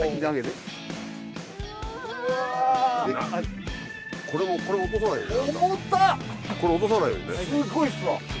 すっごいっすわ。